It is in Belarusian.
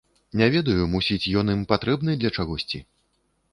Не ведаю, мусіць ён ім патрэбны для чагосьці.